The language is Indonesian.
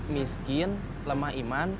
miskin lemah iman